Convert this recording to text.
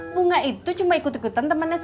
bunga itu cuma ikut ikutan temannya